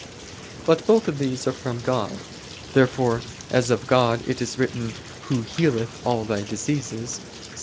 But both of these are from God. Therefore as of God is it written: "Who healeth all thy diseases" (Ps.